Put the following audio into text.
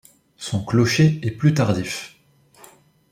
Son clocher est plus tardif.